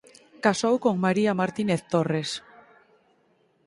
Casou con María Martínez Torres.